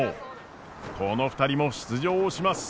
この２人も出場します！